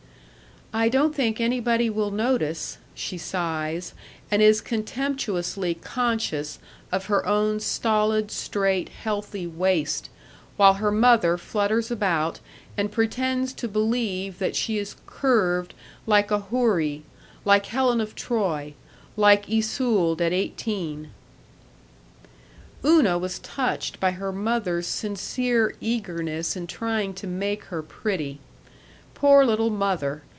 "I don't think anybody will notice," she sighs, and is contemptuously conscious of her own stolid, straight, healthy waist, while her mother flutters about and pretends to believe that she is curved like a houri, like Helen of Troy, like Isolde at eighteen. Una was touched by her mother's sincere eagerness in trying to make her pretty. Poor little mother.